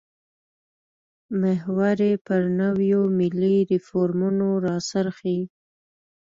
محور یې پر نویو ملي ریفورمونو راڅرخي.